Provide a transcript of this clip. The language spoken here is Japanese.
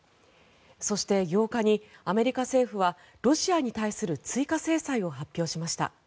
そして、８日にアメリカ政府はロシアに対する追加制裁を発表しました。